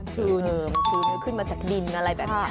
มันชื้นขึ้นมาจากดินอะไรแบบนี้